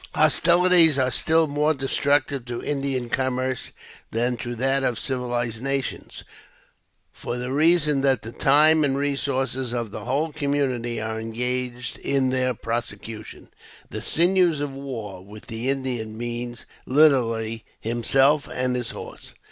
Hostilities are still more destructive to Indian commerce than to that of civilized nations, for th( reason, that the time and resources of the w^hole community are engaged in their prosecution. The " sinews of war " witk the Indian mean, literally, himself and his horse.